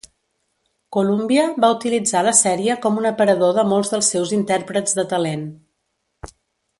Columbia va utilitzar la sèrie com un aparador de molts dels seus intèrprets de talent.